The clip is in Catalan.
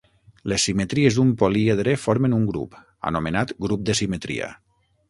Les simetries d'un políedre formen un grup, anomenat grup de simetria.